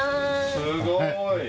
すごーい！